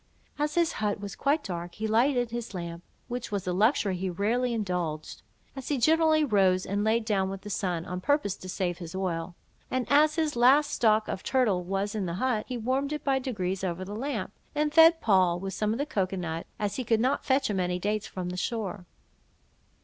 As his hut was quite dark, he lighted his lamp, which was a luxury he rarely indulged (as he generally rose and laid down with the sun, on purpose to save his oil); and as his last stock of turtle was in the hut, he warmed it by degrees over the lamp, and fed Poll with some cocoa nut, as he could not fetch him any dates from the shore.